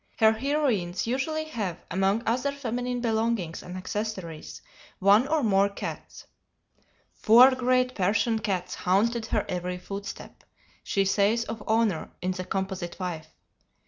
Her heroines usually have, among other feminine belongings and accessories, one or more cats. "Four great Persian cats haunted her every footstep," she says of Honor, in the "Composite Wife."